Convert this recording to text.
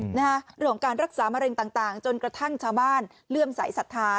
หลวงการรักษามะเร็งต่างจนกระทั่งชาวบ้านเลื่อมสายศธา